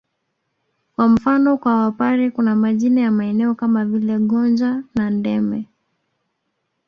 Kwa mfano kwa Wapare kuna majina ya maeneo kama vile Gonja na Ndeme